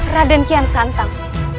raden kian santang